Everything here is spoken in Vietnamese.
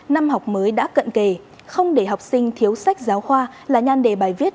năm học mới đã cận kề không để học sinh thiếu sách giáo khoa là nhan đề bài viết